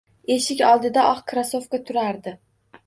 Eshik oldida oq krossovka turardi